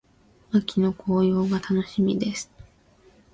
秋の紅葉が楽しみです。